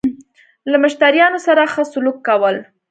له مشتريانو سره خه سلوک کول